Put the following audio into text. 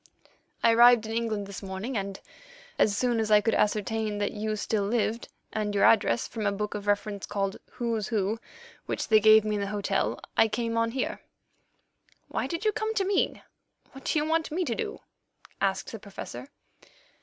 I arrived in England this morning, and as soon as I could ascertain that you still lived, and your address, from a book of reference called Who's Who, which they gave me in the hotel, I came on here." "Why did you come to me? What do you want me to do?" asked the Professor.